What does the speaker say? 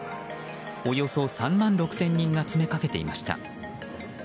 およそ３万６０００人が詰めかけていました。